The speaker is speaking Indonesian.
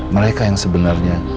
mereka yang sebenarnya